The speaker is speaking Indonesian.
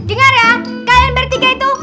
jangan ya kalian bertiga itu